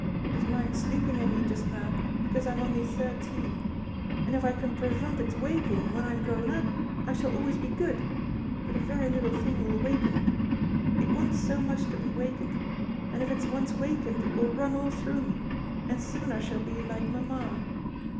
It is lying sleeping in me just now because I am only thirteen, and if I can prevent its waking when I am grown up I shall always be good, but a very little thing will waken it; it wants so much to be wakened, and if it is once wakened it will run all through me, and soon I shall be like mamma."